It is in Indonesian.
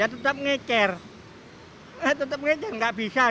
ya tetap ngecer tetap ngecer nggak bisa gimana